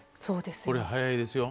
これ早いですよ。